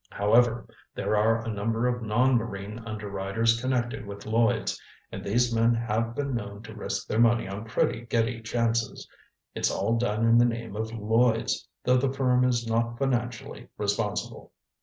However, there are a number of non marine underwriters connected with Lloyds, and these men have been known to risk their money on pretty giddy chances. It's all done in the name of Lloyds, though the firm is not financially responsible."